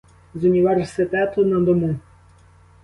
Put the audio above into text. З університету на дому.